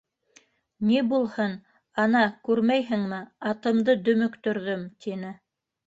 — Ни булһын, ана, күрмәйһеңме, атымды дөмөктөрҙөм, — тине.